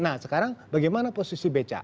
nah sekarang bagaimana posisi beca